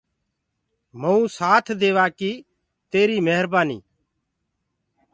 مڪو سآٿ ديوآ ڪي تيري مهربآني